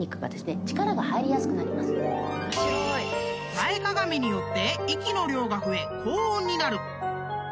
［前かがみによって息の量が増え高音になる］